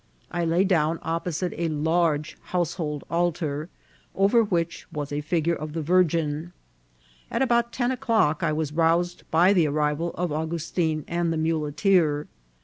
I lay down opposite a large household altar, over which was a figure of the Virgin. At about ten o'clock I was roused by the ar rival of Augustin and tfie muleteer.